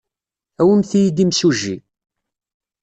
Awimt-iyi-d imsujji.